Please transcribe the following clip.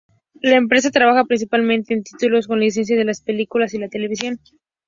La empresa trabaja principalmente en títulos con licencia de las películas y la televisión.